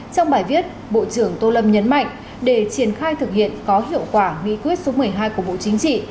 trong bài viết bộ trưởng tô lâm nhấn mạnh để triển khai thực hiện có hiệu quả nghị quyết số một mươi hai của bộ chính trị